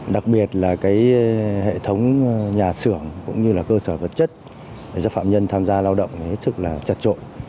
đặc biệt là hệ thống nhà xưởng cũng như cơ sở vật chất để cho phạm nhân tham gia lao động rất chặt trộn